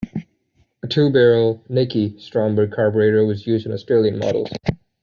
A two-barrel "Nikki" Stromberg carburettor was used on Australian models.